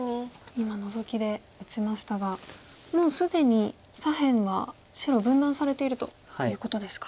今ノゾキで打ちましたがもう既に左辺は白分断されているということですか。